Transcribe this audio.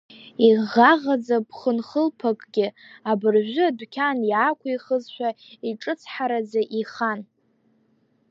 Иӷаӷаӡа ԥхын хылԥакгьы, абыржәы адәқьан иаақәихызшәа, иҿыцҳараӡа ихан.